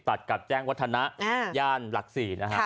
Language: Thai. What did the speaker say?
ตัดกับแจ้งวัฒนะย่านหลัก๔นะฮะ